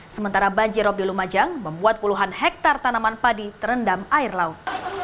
sementara banjirop di lumajang membuat puluhan hektare tanaman padi terendam air laut